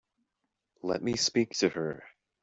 Let me speak to her.